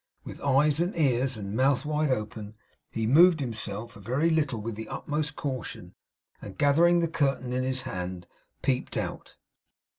With eyes, and ears, and mouth, wide open, he moved himself a very little with the utmost caution, and gathering the curtain in his hand, peeped out.